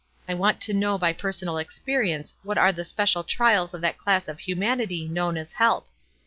I want to know by personal experience what are the special trials of that class of humanity known as 'help.'